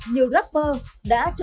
nhiều rapper đã trở thành một gia đình rap